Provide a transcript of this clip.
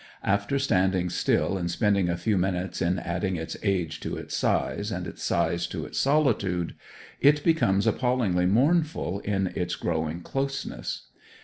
After standing still and spending a few minutes in adding its age to its size, and its size to its solitude, it becomes appallingly mournful in its growing closeness.